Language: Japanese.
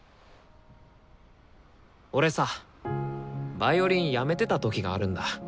俺さヴァイオリン辞めてた時があるんだ。